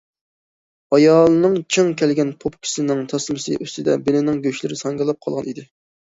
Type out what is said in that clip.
ئايالىنىڭ چىڭ كەلگەن يوپكىسىنىڭ تاسمىسى ئۈستىدە بېلىنىڭ گۆشلىرى ساڭگىلاپ قالغان ئىدى.